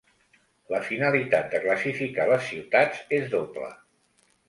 La finalitat de classificar les ciutats és doble.